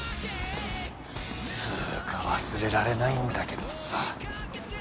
つうか忘れられないんだけどさ。